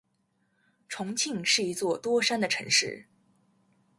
重庆是一座多山的城市。